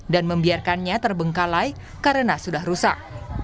dan membiarkannya terbengkalai karena sudah rusak